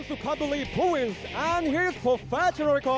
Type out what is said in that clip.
คนนี้มาจากอำเภออูทองจังหวัดสุภัณฑ์บุรีนะครับ